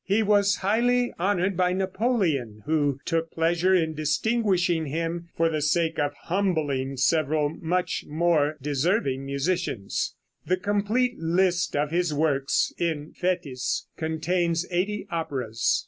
He was highly honored by Napoleon, who took pleasure in distinguishing him for the sake of humbling several much more deserving musicians. The complete list of his works in Fétis contains eighty operas.